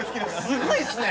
すごいっすね！